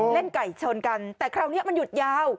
เล่นไก่ชนกันแต่คราวนี้มันหยุดยาว